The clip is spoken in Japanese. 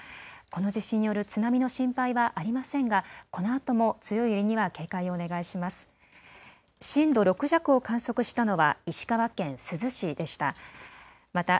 この地震による津波の心配はありませんがこのあとも強い揺れには警戒をお願いします。